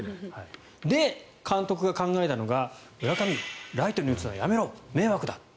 で、監督が考えたのが村上、ライトに打つのはやめろ迷惑だ。